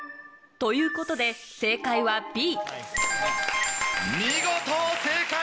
ということで正解はＢ見事正解！